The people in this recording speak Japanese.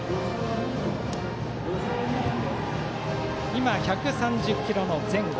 今のは１３０キロ前後。